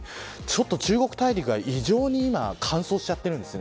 中国大陸が異常に今は乾燥しているんです。